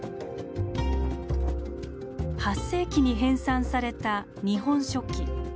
８世紀に編纂された「日本書紀」。